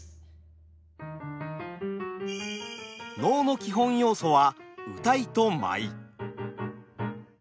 能の基本要素は謡と舞。